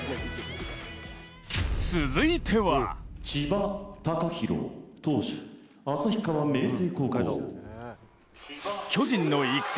続いては巨人の育成